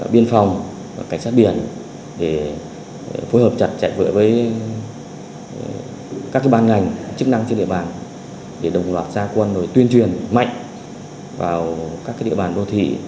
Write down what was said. biên phòng cảnh sát biển để phối hợp chặt chẽ với các ban ngành chức năng trên địa bàn để đồng loạt gia quân tuyên truyền mạnh vào các địa bàn đô thị